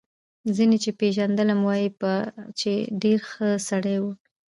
ځینو چې پېژندلم وايي به چې ډېر ښه سړی و